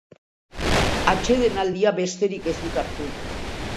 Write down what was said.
Atsedenaldia besterik ez dut hartu.